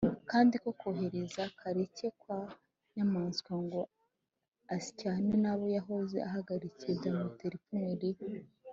kandi ko kohereza karake kwa nyamwasa ngo asyane n’abo yahoze ahagarikiye byamutera ipfunwe ribi?